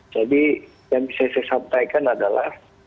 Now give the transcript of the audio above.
jadi yang bisa saya sampaikan adalah